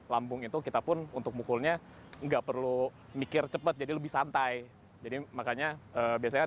lambung itu kita pun untuk mukulnya enggak perlu mikir cepet jadi lebih santai jadi makanya biasanya